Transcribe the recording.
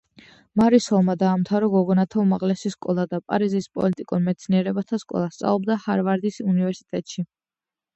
მარისოლმა დაამთავრა გოგონათა უმაღლესი სკოლა და პარიზის პოლიტიკურ მეცნიერებათა სკოლა, სწავლობდა ჰარვარდის უნივერსიტეტში.